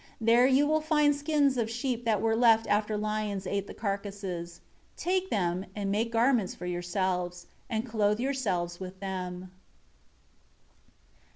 There you will find skins of sheep that were left after lions ate the carcasses. Take them and make garments for yourselves, and clothe yourselves with them.